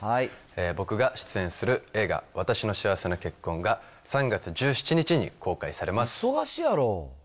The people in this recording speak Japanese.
僕が出演する映画、わたしの幸せな結婚が、３月１７日に公開されます。